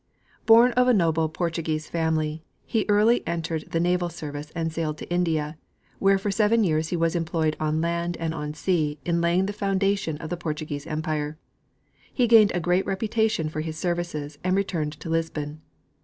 Born of a noble Portuguese family, he early en tered the naval service and sailed to India, where for seven years he was employed on land and on sea in laying the foun dation of the Portuguese empire. He gained a gre^it reputa tion for his services, and returned to Lisbon.